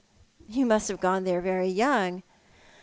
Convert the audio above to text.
" You must have gone there very young."